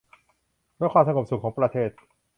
และความสงบสุขของประเทศ